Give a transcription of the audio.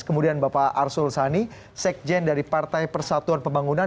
kemudian bapak arsul sani sekjen dari partai persatuan pembangunan